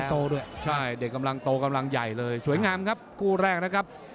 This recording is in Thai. โตด้วยใช่เด็กกำลังโตกำลังใหญ่เลยสวยงามครับคู่แรกนะครับ